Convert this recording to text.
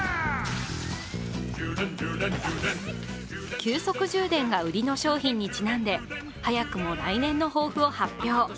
急速充電が売りの商品にちなんで、早くも来年の抱負を発表。